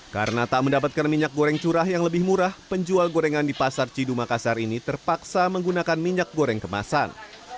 karena tak mendapatkan minyak goreng curah yang lebih murah penjual gorengan di pasar cidu makassar ini terpaksa menggunakan minyak goreng kemasan